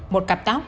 một cặp tóc